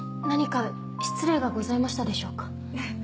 何か失礼がございましたでしょうか？